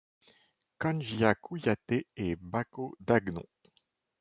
Kanjia Kouyaté et Bako Dagnon.